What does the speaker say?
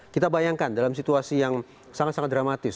kita bayangkan dalam situasi yang sangat sangat dramatis